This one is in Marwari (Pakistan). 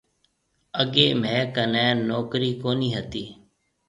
اگيَ ميه ڪني نوڪرِي ڪونِي هتِي۔